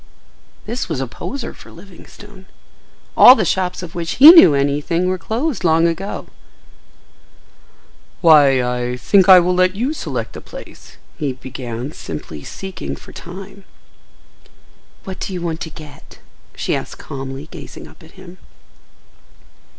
This was a poser for Livingstone. All the shops of which he knew anything were closed long ago. "Why, I think I will let you select the place," he began, simply seeking for time. "What do you want to get?" she asked calmly, gazing up at him.